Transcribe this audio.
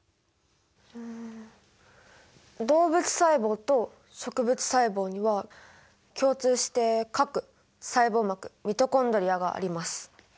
うん動物細胞と植物細胞には共通して核細胞膜ミトコンドリアがあります。